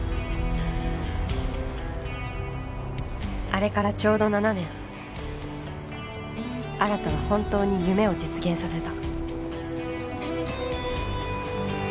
あれからちょうど７年新は本当に夢を実現させた